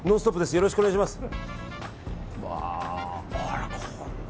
よろしくお願いします。